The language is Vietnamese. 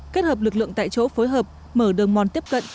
kết hợp lực lượng tại chỗ phối hợp mở đường mòn tiếp cận